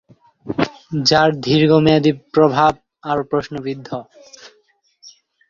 যার দীর্ঘমেয়াদী প্রভাব আরও প্রশ্নবিদ্ধ।